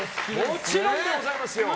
もちろんでございます。